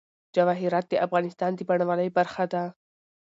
جواهرات د افغانستان د بڼوالۍ برخه ده.